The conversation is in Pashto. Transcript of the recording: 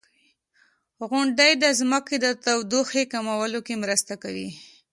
• غونډۍ د ځمکې د تودوخې کمولو کې مرسته کوي.